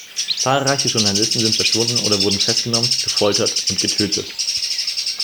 Zahlreiche Journalisten sind verschwunden oder wurden festgenommen, gefoltert und getötet.